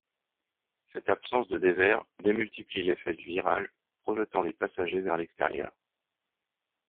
Cette absence de dévers démultiplie l'effet du virage, projetant les passagers vers l'extérieur.